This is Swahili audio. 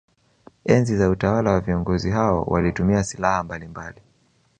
Enzi za utawala wa viongozi hao walitumia silaha mbalimbali